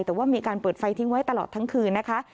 แต่ว่ามีการเปิดไฟทิ้งไว้ตลอดทั้งคืนนะคะ